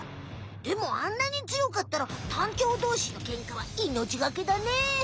でもあんなに強かったらタンチョウどうしのけんかはいのちがけだね。